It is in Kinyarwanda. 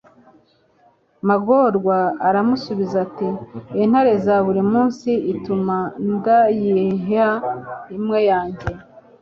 magorwa aramusubiza ati intare iza buri munsi ituma ndayiha imwe yanjye